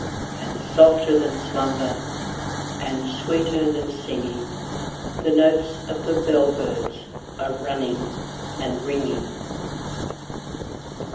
And, softer than slumber, and sweeter than singing, The notes of the bell birds are running and ringing.